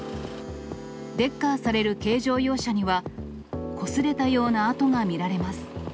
レッカーされる軽乗用車には、こすれたような跡が見られます。